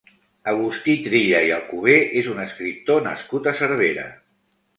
Agustí Trilla i Alcover és un escriptor nascut a Cervera.